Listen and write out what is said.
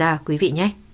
cảm ơn quý vị